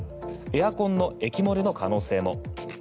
エアコンの液漏れの可能性も。